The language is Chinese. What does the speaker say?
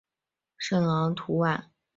圣昂图万坎翁。